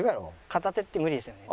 片手って無理ですよね？